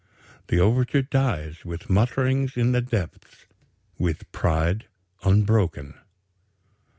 The overture dies with mutterings in the depths; with pride unbroken."